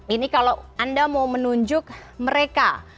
ini kalau anda mau menunjuk mereka